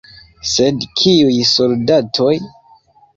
Sed kiuj soldatoj?